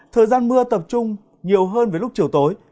thời gian mưa tập trung nhiều hơn với lúc chiều tối